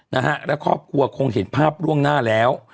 นะฮะและครอบครัวคงเห็นภาพล่วงหน้าแล้ว